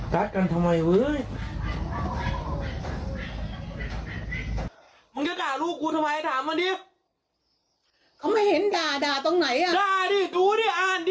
ใครมันจะไม่ด่ากไม่ด่าเจ้าโป่ระห่วงตอนนี้